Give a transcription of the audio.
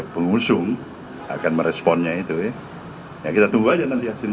pengusung akan meresponnya itu ya kita tunggu aja nanti hasil